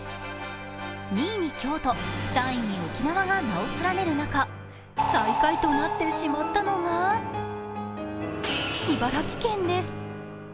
２位に京都、３位に沖縄が名を連ねる中、最下位となってしまったのが茨城県です。